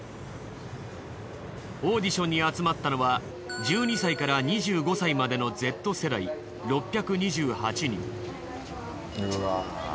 オーディションに集まったのは１２歳から２５歳までのＺ世代６２８人。